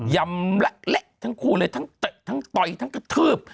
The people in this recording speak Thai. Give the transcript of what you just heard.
ยำละเละทั้งคูณเลยทั้งต่อยทั้งกระทืบ